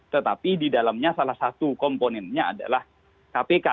tetapi di dalamnya salah satu komponennya adalah kpk